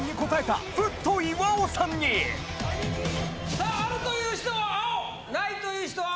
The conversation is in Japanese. さあ「ある」という人は青「ない」という人は赤。